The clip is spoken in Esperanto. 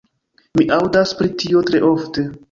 Mi aŭdas pri tio tre ofte.